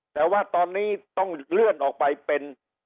แต่ว่าตอนนี้ต้องเลื่อนออกไปเป็น